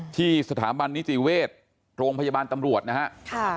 ที่สถาบันนิจิเวศร์โรงพยาบาลตำรวจนะครับ